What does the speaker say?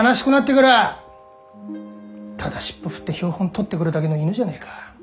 ただ尻尾振って標本採ってくるだけの犬じゃねえか。